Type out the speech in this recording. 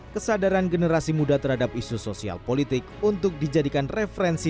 kesadaran generasi muda terhadap isu sosial politik untuk dijadikan referensi